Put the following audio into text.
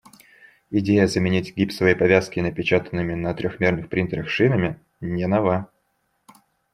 Идея заменить гипсовые повязки напечатанными на трёхмерных принтерах шинами не нова.